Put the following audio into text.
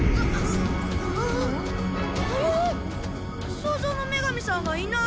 創造の女神さんがいない！